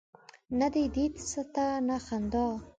نه دي دید سته نه خندا